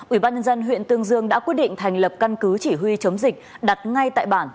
ubnd huyện tương dương đã quyết định thành lập căn cứ chỉ huy chống dịch đặt ngay tại bản